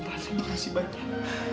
terima kasih banyak